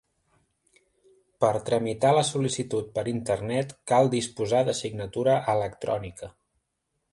Per tramitar la sol·licitud per internet cal disposar de signatura electrònica.